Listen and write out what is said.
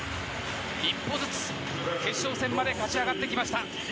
一歩ずつ決勝戦まで勝ち上がってきました。